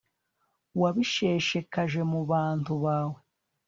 wabisheshekaje mu bantu bawe